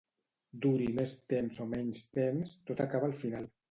Duri més temps o menys temps, tot acaba al final.